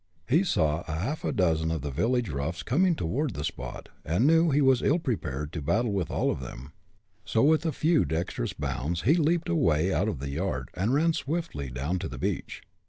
He saw a half a dozen of the village roughs coming toward the spot, and knew he was ill prepared to battle with all of them. So with a few dextrous bounds he leaped away out of the yard, and ran swiftly down to the beach.